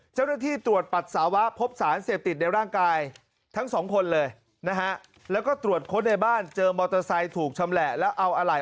เจ้าหน้าที่ตรวจปัสสาวะพบสารเสพติดในร่างกายทั้งสองคนเลยนะฮะแล้วก็ตรวจค้นในบ้านเจอมอเตอร์ไซค์ถูกชำแหละแล้วเอาอะไร